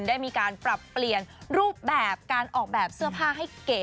ได้มีการปรับเปลี่ยนรูปแบบการออกแบบเสื้อผ้าให้เก๋